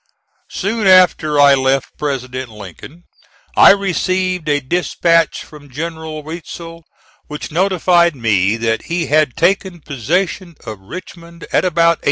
Soon after I left President Lincoln I received a dispatch from General Weitzel which notified me that he had taken possession of Richmond at about 8.